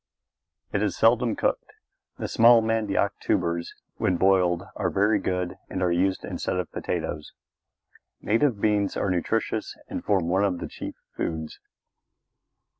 It is seldom cooked. The small mandioc tubers when boiled are very good and are used instead of potatoes. Native beans are nutritious and form one of the chief foods.